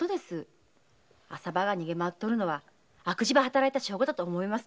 浅葉が逃げ回っとるのは悪事ば働いた証拠だと思います。